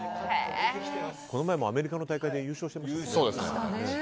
この前もアメリカの大会で優勝してましたよね。